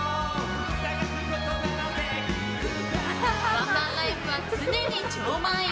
ワンマンライブは常に超満員。